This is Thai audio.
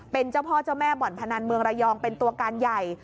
เป็นเจ้าพ่อเจ้าแม่บ่อนพนันเมืองระยองเป็นตัวการใหญ่